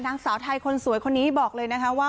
นางสาวไทยคนสวยคนนี้บอกเลยนะคะว่า